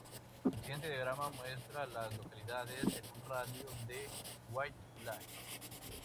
El siguiente diagrama muestra a las localidades en un radio de de White Lake.